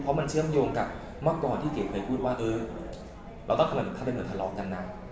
เพราะมันเชื่อมโยงกับเมื่อก่อนที่เกรียเคยพูดว่าเอิร์กเราต้องทำเป็นเหมือนทะเลาะกันนะ